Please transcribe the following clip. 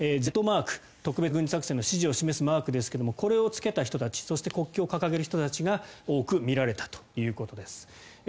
Ｚマーク特別軍事作戦の支持を示すマークですがこれをつけた人たちそして国旗を掲げる人たちが多く見られたということです。